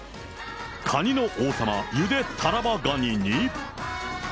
カニの王様、ゆでタラバガニに。